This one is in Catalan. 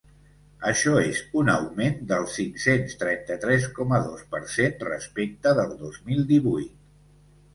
Això és un augment del cinc-cents trenta-tres coma dos per cent respecte del dos mil divuit.